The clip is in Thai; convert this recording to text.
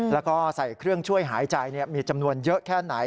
แล้วก็ใส่เครื่องช่วยหายใจมีจำนวนเยอะแค่ไหน